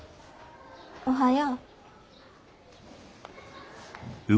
おはよう。